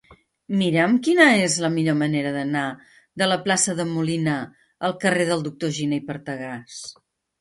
Mira'm quina és la millor manera d'anar de la plaça de Molina al carrer del Doctor Giné i Partagàs.